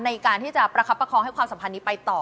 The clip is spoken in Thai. ในการที่จะประคับประคองให้ความสัมพันธ์นี้ไปต่อ